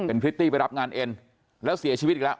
พริตตี้ไปรับงานเอ็นแล้วเสียชีวิตอีกแล้ว